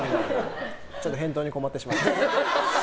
ちょっと返答に困ってしまいます。